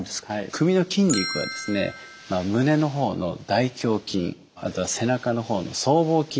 首の筋肉はですね胸の方の大胸筋背中の方の僧帽筋